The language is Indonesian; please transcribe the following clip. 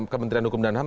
kementerian hukum dan ham